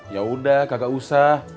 yaudah kagak usah